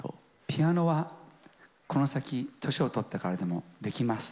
ピアノはこの先、年をとってからでもできます。